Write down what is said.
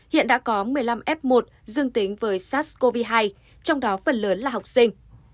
hiện đã có một mươi năm f một dương tính với sars cov hai trong đó phần lớn là học sinh